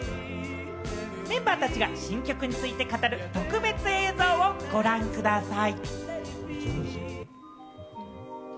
メンバーたちが新曲について語る特別映像をご覧ください。